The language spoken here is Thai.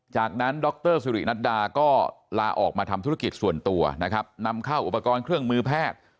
จากนั้นดรสุรินัดดาก็ลาออกมาทำธุรกิจส่วนตัวนะครับนำเข้าอุปกรณ์เครื่องมือแพทย์